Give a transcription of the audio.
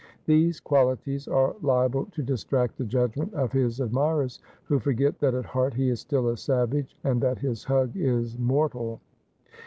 These qualities are liable to distract the judgment of his admirers, who forget that at heart he is still a savage, and that his hug is mortal.